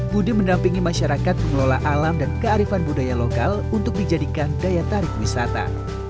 budi mendampingi masyarakat pengelola alam dan kearifan budaya lokal untuk dijadikan daya tarik wisata